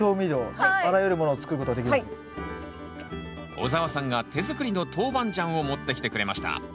オザワさんが手作りのトウバンジャンを持ってきてくれました。